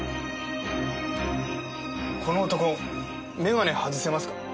この男眼鏡外せますか？